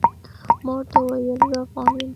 ما ورته وويل زه افغان يم.